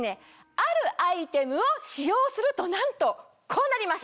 あるアイテムを使用するとなんとこうなります！